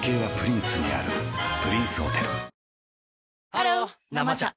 ハロー「生茶」